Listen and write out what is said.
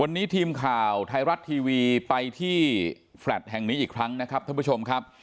วันนี้ทีมข่าวไทยรัฐทีวีไปที่แฟลต์แห่งนี้อีกครั้งนะครับท่านผู้ชมครับ